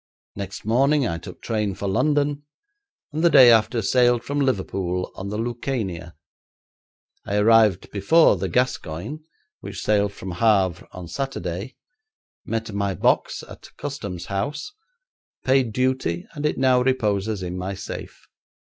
Next morning I took train for London, and the day after sailed from Liverpool on the Lucania. I arrived before the Gascoigne, which sailed from Havre on Saturday, met my box at the Customs house, paid duty, and it now reposes in my safe.